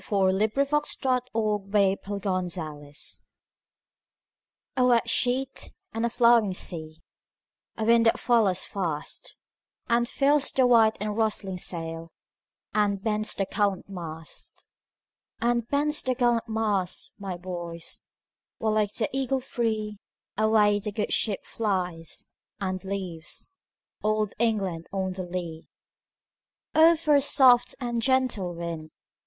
"A wet sheet and a flowing sea" A WET sheet and a flowing sea,A wind that follows fastAnd fills the white and rustling sailAnd bends the gallant mast; And bends the gallant mast, my boys, While like the eagle freeAway the good ship flies, and leavesOld England on the lee."O for a soft and gentle wind!"